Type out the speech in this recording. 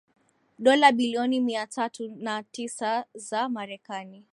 dola bilioni mia tatu na tisa za marekani